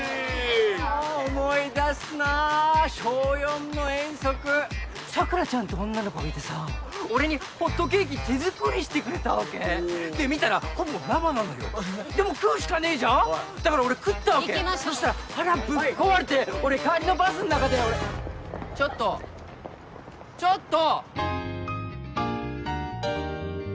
もう思い出すなあ小４の遠足桜ちゃんって女の子がいてさ俺にホットケーキ手作りしてくれたわけで見たらほぼ生なのよでも食うしかねえじゃんだから俺食ったわけ行きましょうそしたら腹ぶっ壊れて俺帰りのバスの中で俺ちょっとちょっと！